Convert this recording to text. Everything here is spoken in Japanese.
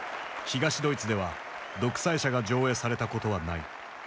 東ドイツでは「独裁者」が上映されたことはない。